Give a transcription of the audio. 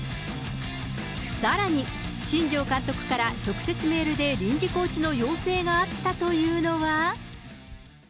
さらに、新庄監督から直接メールで臨時コーチの要請があったというのは。